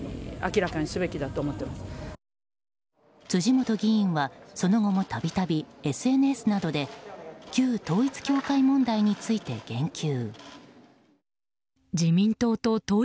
辻元議員はその後も度々ＳＮＳなどで旧統一教会問題について言及。